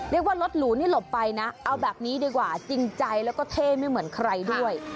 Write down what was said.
รถหรูนี่หลบไปนะเอาแบบนี้ดีกว่าจริงใจแล้วก็เท่ไม่เหมือนใครด้วย